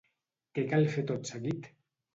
Què cal fer tot seguit?